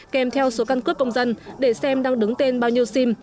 kèm theo số căn cước công dân để xem đang đứng tên bao nhiêu sim